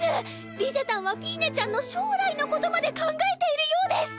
リゼたんはフィーネちゃんの将来のことまで考えているようです！